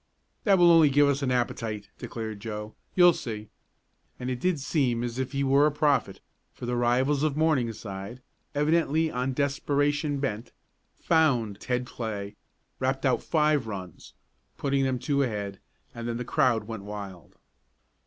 "That will only give us an appetite," declared Joe. "You'll see," and it did seem as if he were a prophet, for the rivals of Morningside, evidently on desperation bent, "found" Ted Clay, rapped out five runs, putting them two ahead, and then the crowd went wild.